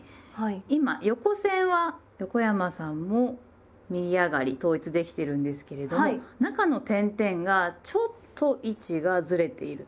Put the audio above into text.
今横線は横山さんも右上がり統一できてるんですけれども中の点々がちょっと位置がずれていると。